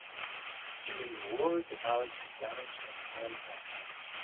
During the war the palace was damaged and ransacked.